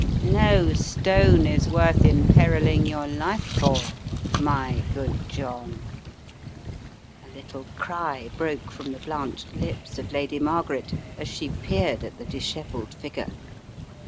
"No stone is worth (imperilling your life for, my good John." A little cry broke from the blanched lips of Lady Margaret as she peered at the dishevelled figure.